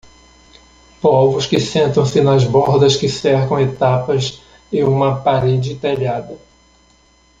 Povos que sentam-se nas bordas que cercam etapas e uma parede telhada.